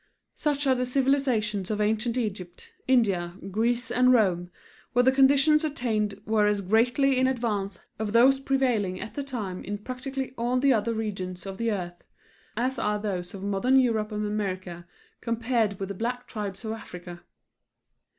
Such are the civilizations of ancient Egypt, India, Greece and Rome, where the conditions attained were as greatly in advance of those prevailing at the time in practically all the other regions of the earth, as are those of modern Europe and America compared with the black tribes of Africa.